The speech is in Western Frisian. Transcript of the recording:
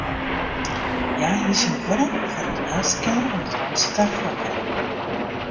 Hja hie syn buorrel foar in lêste kear oan it rântsje ta fol getten.